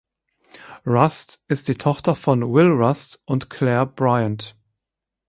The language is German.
Rust ist die Tochter von Will Rust und Clare Bryant.